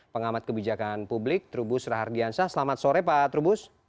pengamat kebijakan publik trubus rahardiansah selamat sore pak trubus